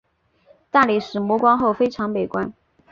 大理石磨光后非常美观。